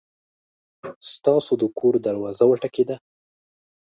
ستاسو د کور دروازه وټکېده!